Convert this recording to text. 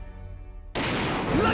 「うわ！